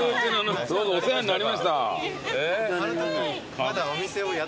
どうもお世話になりました。